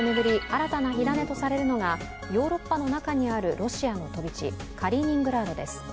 新たな火種とされるのがヨーロッパの中にあるロシアの飛び地、カリーニングラードです。